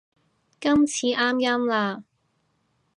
今次啱音啦